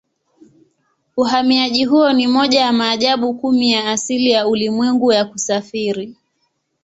Uhamiaji huo ni moja ya maajabu kumi ya asili ya ulimwengu ya kusafiri.